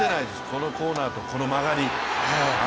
このコーナーと、この曲がり。